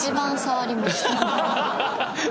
ハハハハ！